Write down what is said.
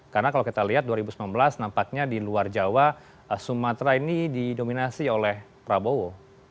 karena kalau kita lihat dua ribu sembilan belas nampaknya di luar jawa sumatera ini didominasi oleh prabowo